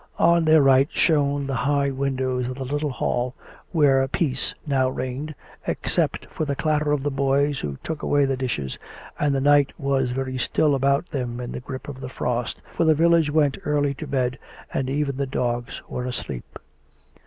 On their right shone the high windows of the little hall where peace now reigned, except for the clat ter of the boys who took away the dishes; and the night COME RACK! COME ROPE! 23 was very still about them in the grip of the frost, for the village went early to bed, and even the dogs were asleep.